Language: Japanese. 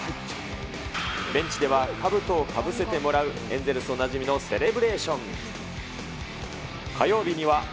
ベンチではかぶとをかぶせてもらう、エンゼルスおなじみのセレブレーション。